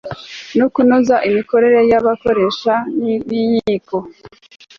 no kunoza imikorere y'abakoresha b' inkiko